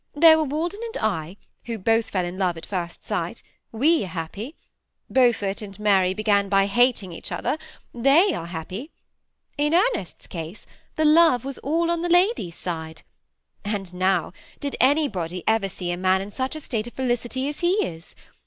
There were Walden and I, who both fell in love at first sight, we are happy. Beaufort and Mary began by hating each other ; they are happy. In Ernest's case, the love was all on the lady's side ; and now, did any body ever see a man in such a state of felicity as he is